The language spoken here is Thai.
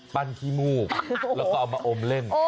ขี้มูกแล้วก็เอามาอมเล่ม